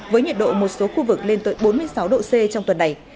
với nhiệt độ một số khu vực lên tới bốn mươi sáu độ c trong tuần này